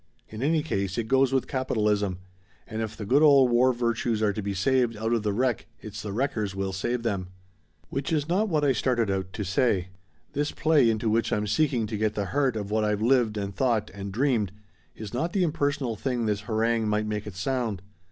In any case, it goes with capitalism; and if the good old war virtues are to be saved out of the wreck it's the wreckers will save them! "Which is not what I started out to say. This play into which I'm seeking to get the heart of what I've lived and thought and dreamed is not the impersonal thing this harangue might make it sound.